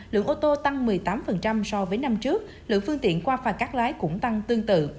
lượng ô tô tăng một mươi tám so với năm trước lượng phương tiện qua phà cắt lái cũng tăng tương tự